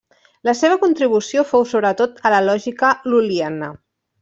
La seva contribució fou sobretot a la lògica lul·liana.